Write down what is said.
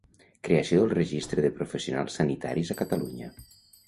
Creació del Registre de professionals sanitaris a Catalunya.